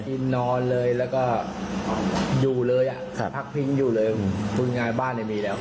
กินนอนเลยแล้วก็อยู่เลยอ่ะครับพักพิงอยู่เลยทุนงานบ้านเนี่ยมีแล้ว